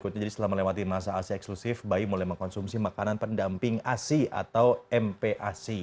berikutnya setelah melewati masa asli eksklusif bayi mulai mengkonsumsi makanan pendamping asi atau mpasi